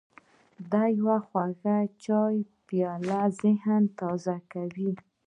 د یو خواږه چای پیاله ذهن تازه کوي.